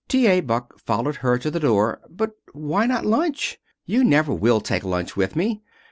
T. A. Buck followed her to the door. "But why not lunch? You never will take lunch with me.